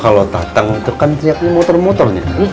kalo tatang itu kan teriaknya motor motornya